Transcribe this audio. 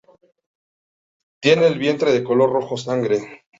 Tiene el vientre de color rojo sangre.